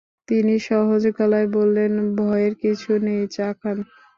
তিনি সহজ গলায় বললেন, ভয়ের কিছু নেই-চা খান।